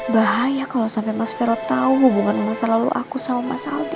bahaya kalau sampai mas vero tahu hubungan masa lalu aku sama mas aldi